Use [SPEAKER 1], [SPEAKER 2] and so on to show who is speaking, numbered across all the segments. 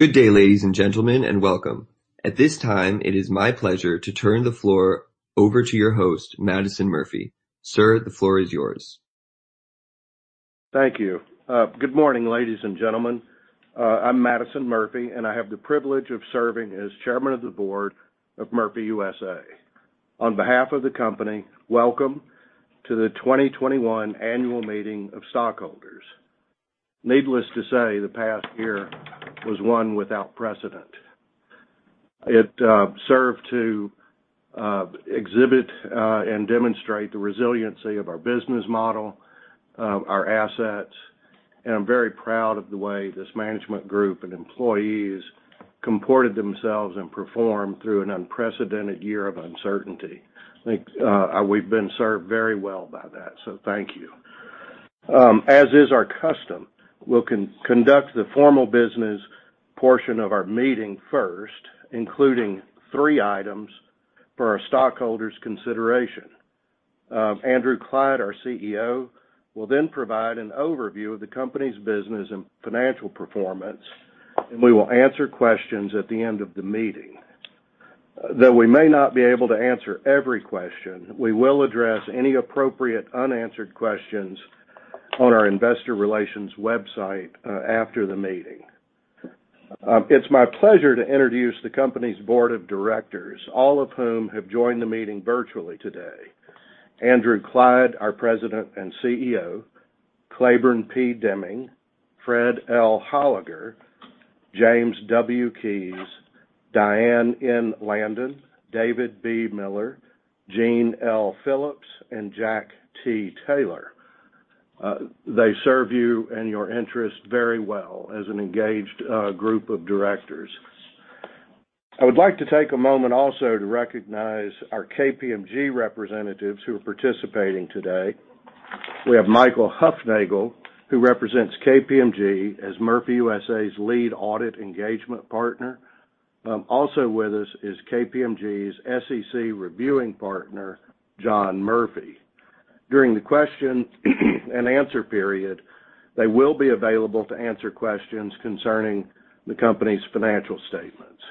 [SPEAKER 1] Good day, ladies and gentlemen, and welcome. At this time, it is my pleasure to turn the floor over to your host, Madison Murphy. Sir, the floor is yours.
[SPEAKER 2] Thank you. Good morning, ladies and gentlemen. I'm Madison Murphy, and I have the privilege of serving as Chairman of the Board of Murphy USA. On behalf of the company, welcome to the 2021 annual meeting of stockholders. Needless to say, the past year was one without precedent. It served to exhibit and demonstrate the resiliency of our business model, our assets, and I'm very proud of the way this management group and employees comported themselves and performed through an unprecedented year of uncertainty. I think we've been served very well by that, so thank you. As is our custom, we'll conduct the formal business portion of our meeting first, including three items for our stockholders' consideration. Andrew Clyde, our CEO, will then provide an overview of the company's business and financial performance, and we will answer questions at the end of the meeting. Though we may not be able to answer every question, we will address any appropriate unanswered questions on our investor relations website after the meeting. It's my pleasure to introduce the company's board of directors, all of whom have joined the meeting virtually today. Andrew Clyde, our President and CEO, Claiborne P. Deming, Fred L. Holliger, James W. Keyes, Diane N. Landen, David B. Miller, Jeanne L. Phillips, and Jack T. Taylor. They serve you and your interest very well as an engaged group of directors. I would like to take a moment also to recognize our KPMG representatives who are participating today. We have Michael Hufnagel, who represents KPMG as Murphy USA's Lead Audit Engagement Partner. Also with us is KPMG's SEC Reviewing Partner, John Murphy. During the question and answer period, they will be available to answer questions concerning the company's financial statements.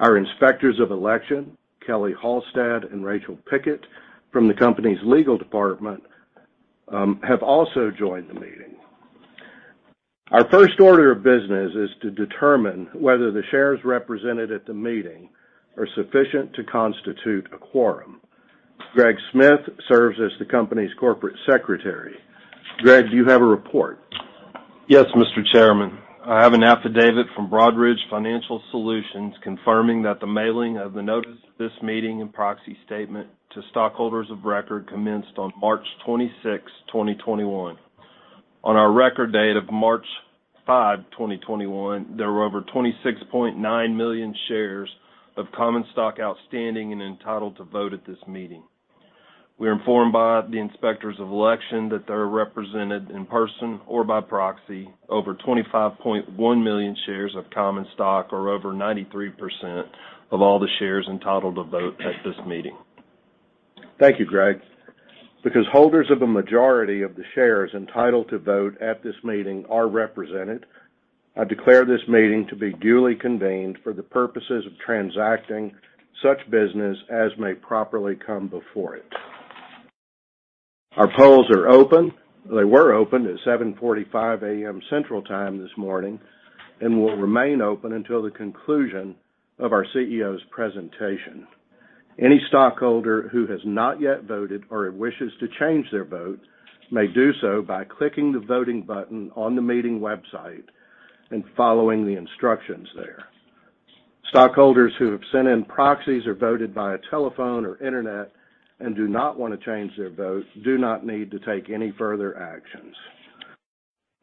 [SPEAKER 2] Our inspectors of election, Kelly Halsted and Rachel Pickett, from the company's legal department, have also joined the meeting. Our first order of business is to determine whether the shares represented at the meeting are sufficient to constitute a quorum. Greg Smith serves as the company's Corporate Secretary. Greg, do you have a report?
[SPEAKER 3] Yes, Mr. Chairman. I have an affidavit from Broadridge Financial Solutions confirming that the mailing of the notice of this meeting and proxy statement to stockholders of record commenced on March 26, 2021. On our record date of March 5, 2021, there were over 26.9 million shares of common stock outstanding and entitled to vote at this meeting. We are informed by the inspectors of election that they are represented in person or by proxy over 25.1 million shares of common stock, or over 93% of all the shares entitled to vote at this meeting.
[SPEAKER 2] Thank you, Greg. Because holders of the majority of the shares entitled to vote at this meeting are represented, I declare this meeting to be duly convened for the purposes of transacting such business as may properly come before it. Our polls are open. They were opened at 7:45 A.M. Central Time this morning and will remain open until the conclusion of our CEO's presentation. Any stockholder who has not yet voted or wishes to change their vote may do so by clicking the voting button on the meeting website and following the instructions there. Stockholders who have sent in proxies or voted via telephone or internet and do not want to change their vote do not need to take any further actions.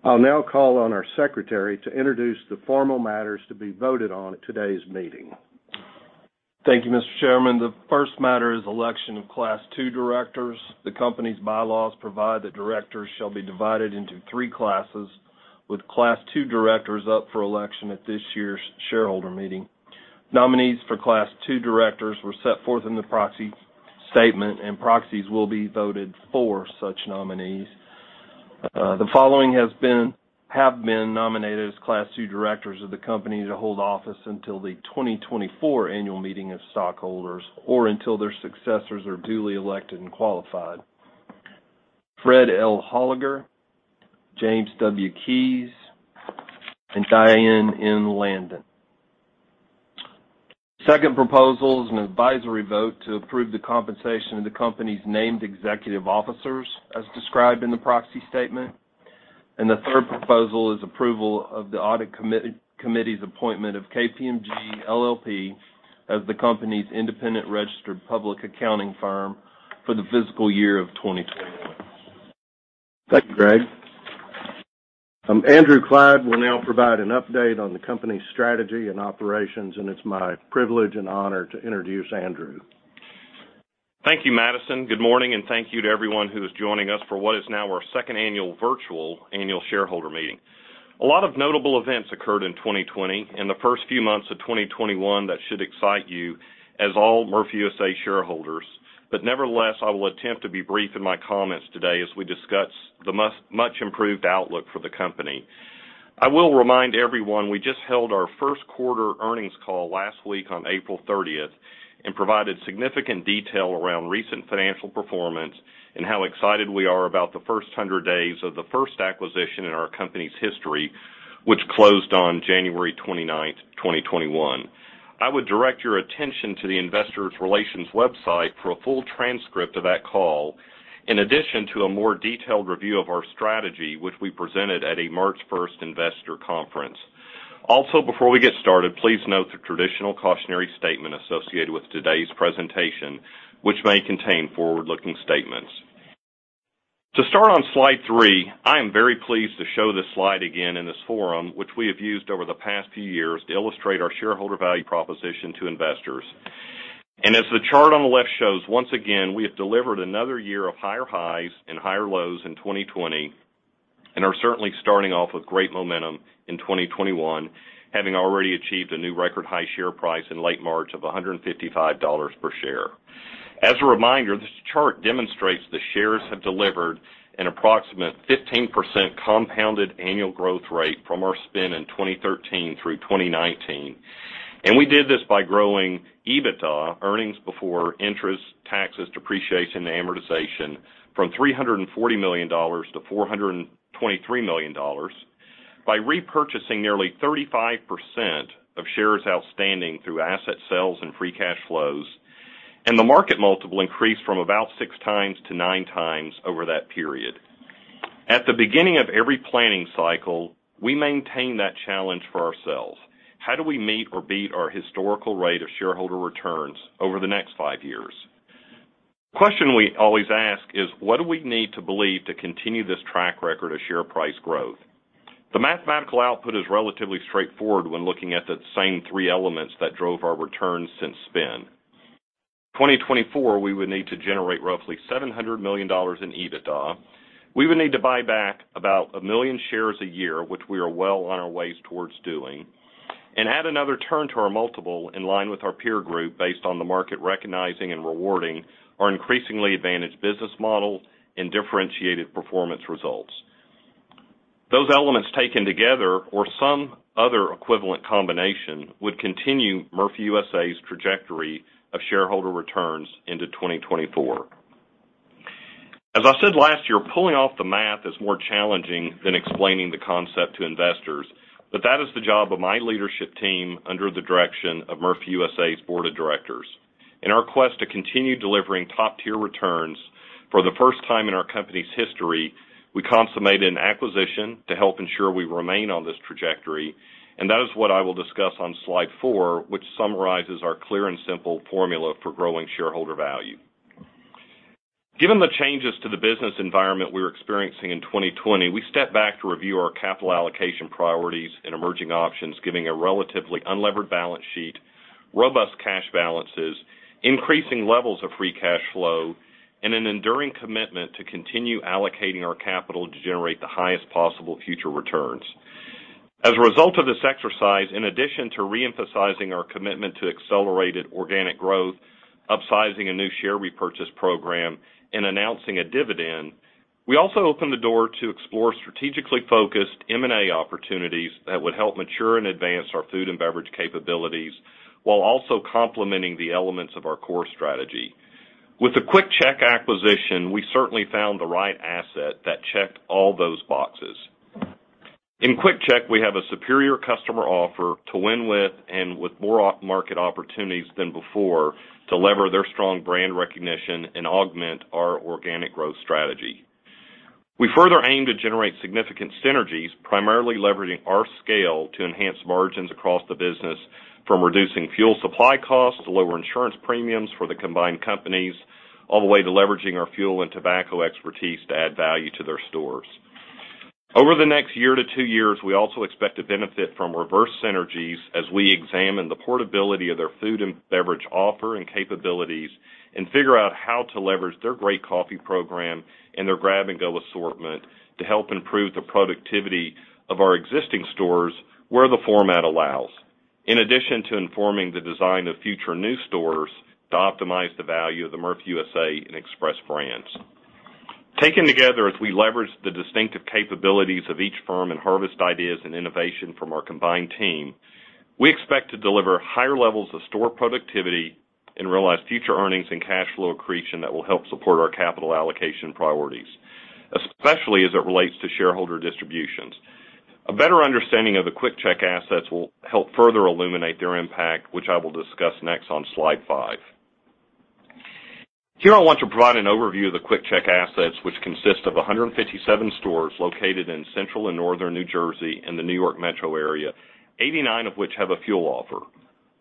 [SPEAKER 2] I'll now call on our secretary to introduce the formal matters to be voted on at today's meeting.
[SPEAKER 3] Thank you, Mr. Chairman. The first matter is election of Class 2 directors. The company's bylaws provide that directors shall be divided into three classes, with Class 2 directors up for election at this year's shareholder meeting. Nominees for Class 2 directors were set forth in the proxy statement, and proxies will be voted for such nominees. The following have been nominated as Class 2 directors of the company to hold office until the 2024 annual meeting of stockholders, or until their successors are duly elected and qualified. Fred L. Holliger, James W. Keyes, and Diane N. Landen. Second proposal is an advisory vote to approve the compensation of the company's named executive officers as described in the proxy statement. The third proposal is approval of the audit committee's appointment of KPMG LLP as the company's independent registered public accounting firm for the fiscal year 2021.
[SPEAKER 2] Thank you, Greg. Andrew Clyde will now provide an update on the company's strategy and operations, and it's my privilege and honor to introduce Andrew.
[SPEAKER 4] Thank you, Madison. Good morning, and thank you to everyone who is joining us for what is now our second annual virtual annual shareholder meeting. A lot of notable events occurred in 2020 and the first few months of 2021 that should excite you as all Murphy USA shareholders. Nevertheless, I will attempt to be brief in my comments today as we discuss the much improved outlook for the company. I will remind everyone, we just held our first quarter earnings call last week on April 30 and provided significant detail around recent financial performance and how excited we are about the first 100 days of the first acquisition in our company's history, which closed on January 29, 2021. I would direct your attention to the investor relations website for a full transcript of that call, in addition to a more detailed review of our strategy, which we presented at a March 1st investor conference. Also, before we get started, please note the traditional cautionary statement associated with today's presentation, which may contain forward-looking statements. To start on slide three, I am very pleased to show this slide again in this forum, which we have used over the past few years to illustrate our shareholder value proposition to investors. As the chart on the left shows, once again, we have delivered another year of higher highs and higher lows in 2020, and are certainly starting off with great momentum in 2021, having already achieved a new record high share price in late March of $155 per share. As a reminder, this chart demonstrates the shares have delivered an approximate 15% compounded annual growth rate from our spin in 2013 through 2019. We did this by growing EBITDA, earnings before interest, taxes, depreciation, and amortization, from $340 million to $423 million, by repurchasing nearly 35% of shares outstanding through asset sales and free cash flows, the market multiple increased from about 6x to 9x over that period. At the beginning of every planning cycle, we maintain that challenge for ourselves. How do we meet or beat our historical rate of shareholder returns over the next five years? Question we always ask is, what do we need to believe to continue this track record of share price growth? The mathematical output is relatively straightforward when looking at the same three elements that drove our returns since spin. 2024, we would need to generate roughly $700 million in EBITDA. We would need to buy back about 1 million shares a year, which we are well on our ways towards doing, and add another turn to our multiple in line with our peer group based on the market recognizing and rewarding our increasingly advantaged business model and differentiated performance results. Those elements taken together, or some other equivalent combination, would continue Murphy USA's trajectory of shareholder returns into 2024. As I said last year, pulling off the math is more challenging than explaining the concept to investors. That is the job of my leadership team under the direction of Murphy USA's board of directors. In our quest to continue delivering top-tier returns, for the first time in our company's history, we consummated an acquisition to help ensure we remain on this trajectory, and that is what I will discuss on slide four, which summarizes our clear and simple formula for growing shareholder value. Given the changes to the business environment we were experiencing in 2020, we stepped back to review our capital allocation priorities and emerging options, giving a relatively unlevered balance sheet, robust cash balances, increasing levels of free cash flow, and an enduring commitment to continue allocating our capital to generate the highest possible future returns. As a result of this exercise, in addition to re-emphasizing our commitment to accelerated organic growth, upsizing a new share repurchase program, and announcing a dividend, we also opened the door to explore strategically focused M&A opportunities that would help mature and advance our food and beverage capabilities while also complementing the elements of our core strategy. With the QuickChek acquisition, we certainly found the right asset that checked all those boxes. In QuickChek, we have a superior customer offer to win with and with more off-market opportunities than before to lever their strong brand recognition and augment our organic growth strategy. We further aim to generate significant synergies, primarily leveraging our scale to enhance margins across the business, from reducing fuel supply costs to lower insurance premiums for the combined companies, all the way to leveraging our fuel and tobacco expertise to add value to their stores. Over the next year to two years, we also expect to benefit from reverse synergies as we examine the portability of their food and beverage offer and capabilities and figure out how to leverage their great coffee program and their grab-and-go assortment to help improve the productivity of our existing stores where the format allows. In addition to informing the design of future new stores to optimize the value of the Murphy USA and Express brands. Taken together, as we leverage the distinctive capabilities of each firm and harvest ideas and innovation from our combined team, we expect to deliver higher levels of store productivity and realize future earnings and cash flow accretion that will help support our capital allocation priorities, especially as it relates to shareholder distributions. A better understanding of the QuickChek assets will help further illuminate their impact, which I will discuss next on slide five. Here I want to provide an overview of the QuickChek assets, which consist of 157 stores located in Central and Northern New Jersey and the New York metro area, 89 of which have a fuel offer.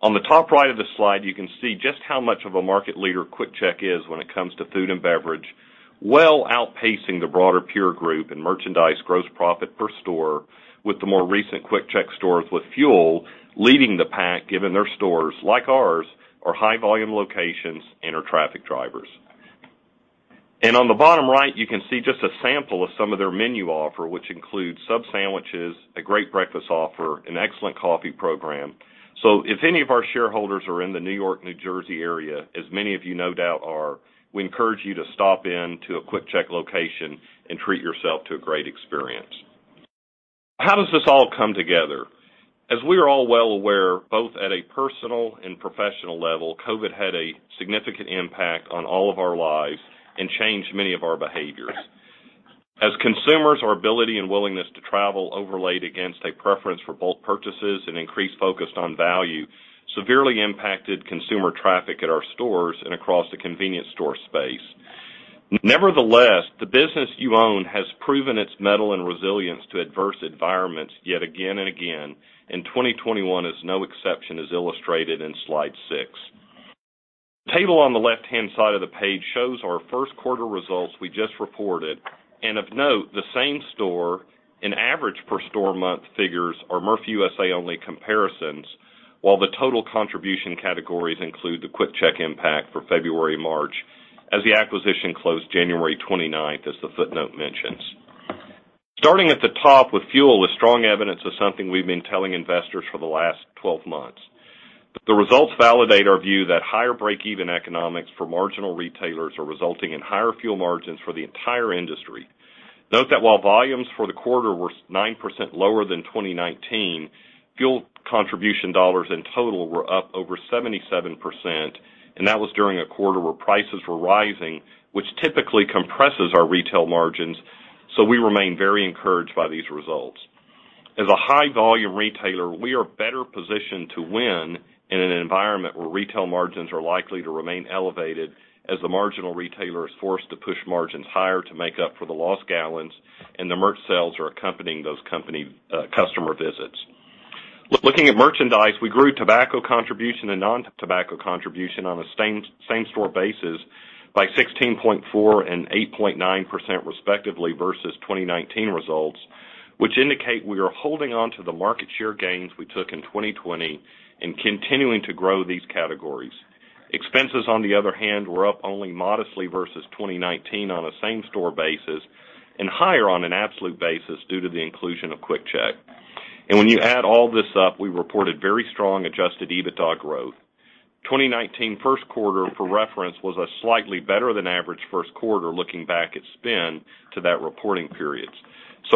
[SPEAKER 4] On the top right of the slide, you can see just how much of a market leader QuickChek is when it comes to food and beverage, well outpacing the broader peer group in merchandise gross profit per store, with the more recent QuickChek stores with fuel leading the pack given their stores, like ours, are high volume locations and are traffic drivers. On the bottom right, you can see just a sample of some of their menu offer, which includes sub sandwiches, a great breakfast offer, an excellent coffee program. If any of our shareholders are in the New York-New Jersey area, as many of you no doubt are, we encourage you to stop in to a QuickChek location and treat yourself to a great experience. How does this all come together? As we are all well aware, both at a personal and professional level, COVID had a significant impact on all of our lives and changed many of our behaviors. As consumers, our ability and willingness to travel overlayed against a preference for bulk purchases and increased focus on value severely impacted consumer traffic at our stores and across the convenience store space. Nevertheless, the business you own has proven its mettle and resilience to adverse environments yet again and again, and 2021 is no exception, as illustrated in slide six. The table on the left-hand side of the page shows our first quarter results we just reported. Of note, the same store and average per store month figures are Murphy USA only comparisons, while the total contribution categories include the QuickChek impact for February and March, as the acquisition closed January 29th, as the footnote mentions. Starting at the top with fuel is strong evidence of something we've been telling investors for the last 12 months. The results validate our view that higher break-even economics for marginal retailers are resulting in higher fuel margins for the entire industry. Note that while volumes for the quarter were 9% lower than 2019, fuel contribution dollars in total were up over 77%, and that was during a quarter where prices were rising, which typically compresses our retail margins. We remain very encouraged by these results. As a high-volume retailer, we are better positioned to win in an environment where retail margins are likely to remain elevated as the marginal retailer is forced to push margins higher to make up for the lost gallons and the merch sales are accompanying those customer visits. Looking at merchandise, we grew tobacco contribution and non-tobacco contribution on a same-store basis by 16.4% and 8.9% respectively versus 2019 results, which indicate we are holding onto the market share gains we took in 2020 and continuing to grow these categories. Expenses, on the other hand, were up only modestly versus 2019 on a same-store basis and higher on an absolute basis due to the inclusion of QuickChek. When you add all this up, we reported very strong Adjusted EBITDA growth. 2019 first quarter, for reference, was a slightly better than average first quarter looking back at spin to that reporting period.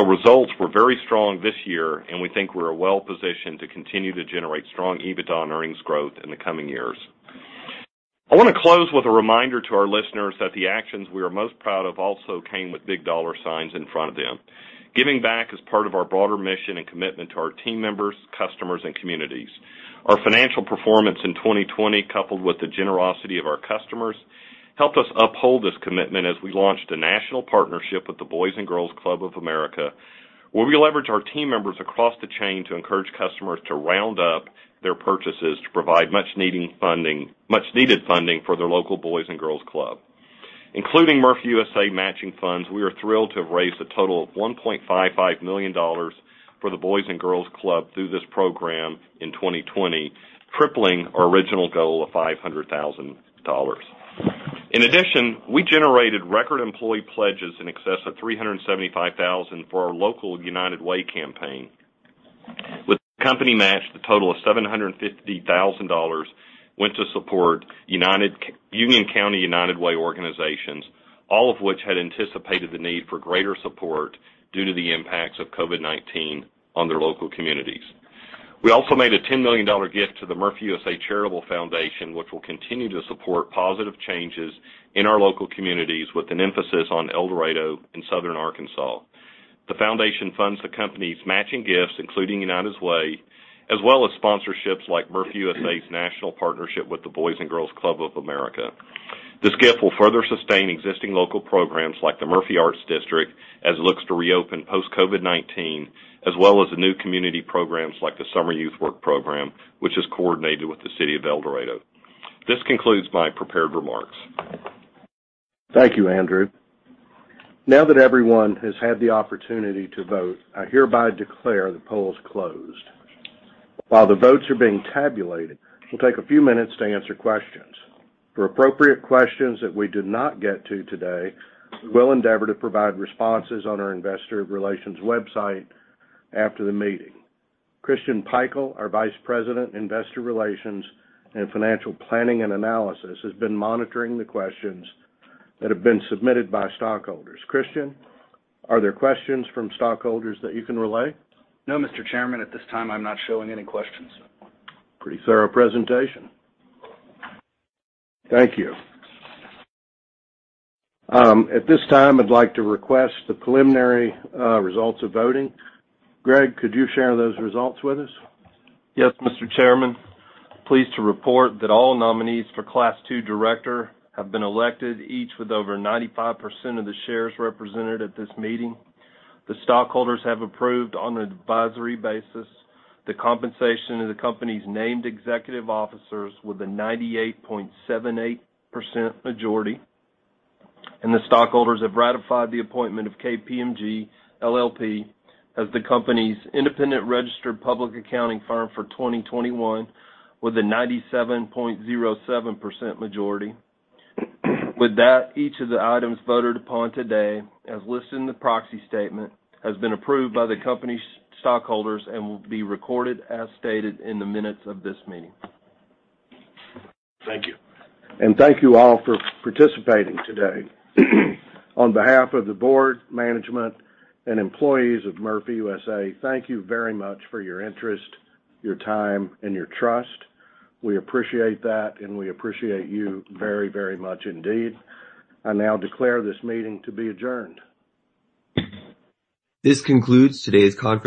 [SPEAKER 4] Results were very strong this year, and we think we're well-positioned to continue to generate strong EBITDA and earnings growth in the coming years. I want to close with a reminder to our listeners that the actions we are most proud of also came with big dollar signs in front of them. Giving back is part of our broader mission and commitment to our team members, customers, and communities. Our financial performance in 2020, coupled with the generosity of our customers, helped us uphold this commitment as we launched a national partnership with the Boys & Girls Clubs of America, where we leverage our team members across the chain to encourage customers to round up their purchases to provide much-needed funding for their local Boys & Girls Club. Including Murphy USA matching funds, we are thrilled to have raised a total of $1.55 million for the Boys & Girls Club through this program in 2020, tripling our original goal of $500,000. In addition, we generated record employee pledges in excess of $375,000 for our local United Way campaign. With the company match, the total of $750,000 went to support Union County United Way organizations, all of which had anticipated the need for greater support due to the impacts of COVID-19 on their local communities. We also made a $10 million gift to the Murphy USA Charitable Foundation, which will continue to support positive changes in our local communities with an emphasis on El Dorado in Southern Arkansas. The foundation funds the company's matching gifts, including United Way, as well as sponsorships like Murphy USA's national partnership with the Boys & Girls Clubs of America. This gift will further sustain existing local programs like the Murphy Arts District as it looks to reopen post-COVID-19, as well as the new community programs like the Summer Youth Work Program, which is coordinated with the City of El Dorado. This concludes my prepared remarks.
[SPEAKER 2] Thank you, Andrew. Now that everyone has had the opportunity to vote, I hereby declare the polls closed. While the votes are being tabulated, we'll take a few minutes to answer questions. For appropriate questions that we did not get to today, we will endeavor to provide responses on our investor relations website after the meeting. Christian Pikul, our Vice President, Investor Relations and Financial Planning and Analysis, has been monitoring the questions that have been submitted by stockholders. Christian, are there questions from stockholders that you can relay?
[SPEAKER 5] No, Mr. Chairman, at this time, I'm not showing any questions.
[SPEAKER 2] Pretty thorough presentation. Thank you. At this time, I'd like to request the preliminary results of voting. Greg, could you share those results with us?
[SPEAKER 3] Yes, Mr. Chairman. Pleased to report that all nominees for Class 2 director have been elected, each with over 95% of the shares represented at this meeting. The stockholders have approved on an advisory basis the compensation of the company's named executive officers with a 98.78% majority, and the stockholders have ratified the appointment of KPMG LLP as the company's independent registered public accounting firm for 2021 with a 97.07% majority. With that, each of the items voted upon today, as listed in the proxy statement, has been approved by the company's stockholders and will be recorded as stated in the minutes of this meeting. Thank you.
[SPEAKER 2] Thank you all for participating today. On behalf of the board, management, and employees of Murphy USA, thank you very much for your interest, your time, and your trust. We appreciate that, and we appreciate you very, very much indeed. I now declare this meeting to be adjourned.
[SPEAKER 1] This concludes today's conference.